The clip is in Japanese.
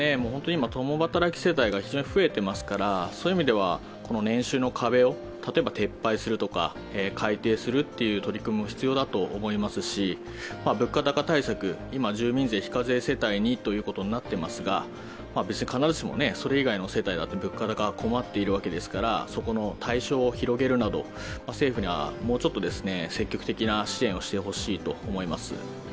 今、共働き世帯が増えていますからそういう意味では年収の壁を撤廃するとか、改定するという取り組みも必要だと思いますし、物価高対策、今、住民税非課税世帯にということになっていますが別に必ずしもそれ以外の世帯も物価高に困っているわけですから、そこの対象を広げるなど政府がもうちょっと積極的な支援をしてほしいてと思います。